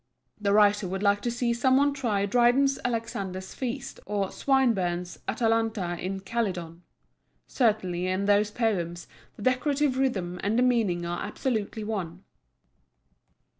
The writer would like to see some one try Dryden's Alexander's Feast, or Swinburne's Atalanta in Calydon. Certainly in those poems the decorative rhythm and the meaning are absolutely one.